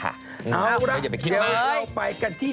เอาล่ะเดี๋ยวเราไปกันที่แบบนี้อย่าไปคิดอะไร